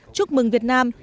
chúc mừng việt nam